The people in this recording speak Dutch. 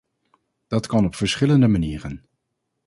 Dat kan op verschillende manieren.